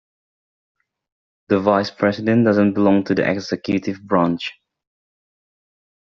The Vice-President doesn't belong to the executive branch.